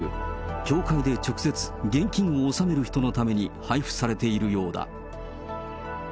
銀行振り込みなどではなく、教会で直接、現金を納める人のために配布されているようだ。